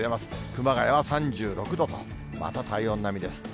熊谷は３６度と、また体温並みです。